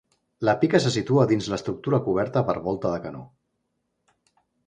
La pica se situa dins l’estructura coberta per volta de canó.